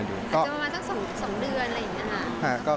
อาจจะประมาณสัก๒เดือนอะไรอย่างนี้ค่ะ